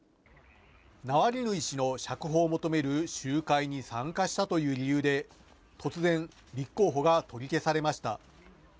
ナワリヌイ氏の釈放を求める集会に参加したという理由で、突然、立候補が取り消されました。